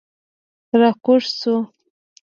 را کوز شوو.